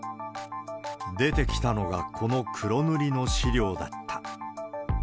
出てきたのが、この黒塗りの資料だった。